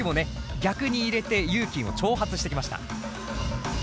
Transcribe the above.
逆に入れてＹＵ−ＫＩを挑発してきました。